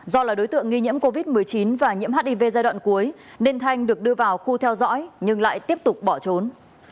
do là đối tượng nghi nhiễm covid một mươi chín và nhiễm hiv giai đoạn cuối nên thanh được đưa vào khu theo dõi nhưng lại tiếp tục bỏ trốn